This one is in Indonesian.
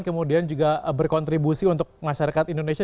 kemudian juga berkontribusi untuk masyarakat indonesia